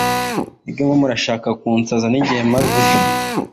ndabaga ntabwo ari murumuna wa mariya cyane